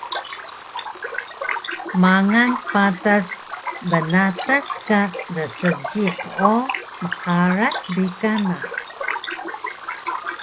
Mangal patas bnatas ka dseejiq o mqaras bi kana